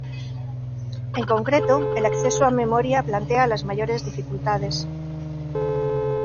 En concreto, el acceso a memoria plantea las mayores dificultades.